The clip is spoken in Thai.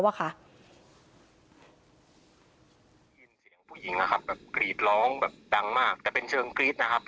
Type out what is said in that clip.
จุดเดียวฟังทางบางครึ่งกับผู้หญิงขึ้นบนสะพานลอย